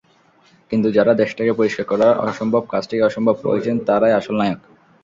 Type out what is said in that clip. কিন্তু যাঁরা দেশটাকে পরিষ্কার করার অসম্ভব কাজটিকে সম্ভব করছেন, তাঁরাই আসল নায়ক।